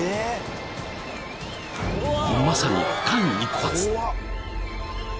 ［まさに間一髪］